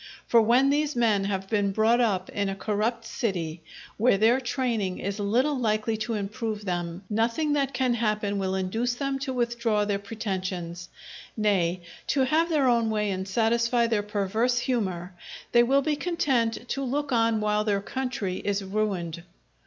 For when these men have been brought up in a corrupt city, where their training is little likely to improve them, nothing that can happen will induce them to withdraw their pretensions; nay, to have their own way and satisfy their perverse humour, they will be content to look on while their country is ruined.